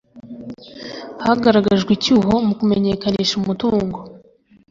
hagaragajwe icyuho mu kumenyekanisha umutungo,